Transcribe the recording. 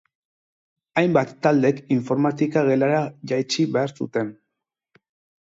Hainbat taldek informatika gelara jaitsi behar zuten.